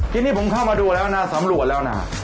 ทีนี้ผมเข้ามาดูแล้วนะสำรวจแล้วนะ